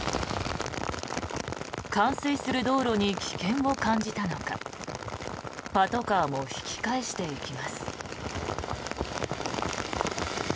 冠水する道路に危険を感じたのかパトカーも引き返していきます。